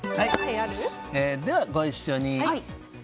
ではご一緒に。